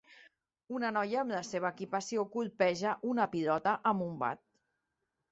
Una noia amb la seva equipació colpeja una pilota amb un bat.